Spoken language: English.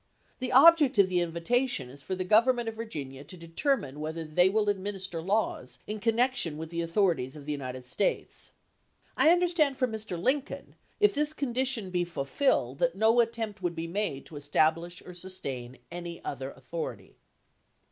.. The object of the invitation is for the government of Virginia to determine whether they will administer the Api. 7, 1865 laws in connection with the authorities of the United States. I understand from Mr. Lincoln, if this condition be fulfilled, that no attempt would be made to establish pamphfet or sustain any other authority.